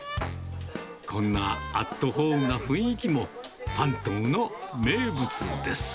こんなアットホームな雰囲気も、ファントムの名物です。